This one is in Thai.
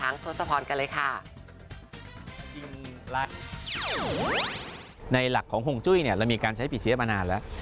ในหลักของโหงจุ้ยเรามีการใช้ปีเซี๊ยะมานานแล้ว